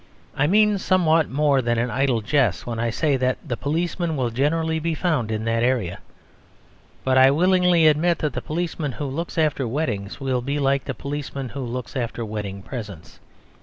I mean somewhat more than an idle jest when I say that the policeman will generally be found in that area. But I willingly admit that the policeman who looks after weddings will be like the policeman who looks after wedding presents.